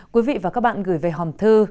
quý vị và các bạn gửi về hòm thư